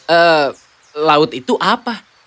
eh laut itu apa